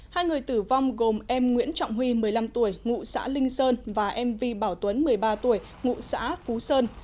hai người tử vong gồm em nguyễn trọng huy một mươi năm tuổi ngụ xã linh sơn và em vi bảo tuấn một mươi ba tuổi ngụ xã phú sơn